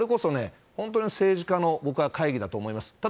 これこそ政治家の会議だと思います。